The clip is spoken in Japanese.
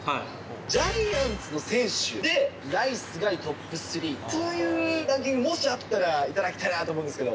ジャイアンツの選手で、ナイスガイトップ３、そういうランキング、もしあったら頂きたいなと思いますけど。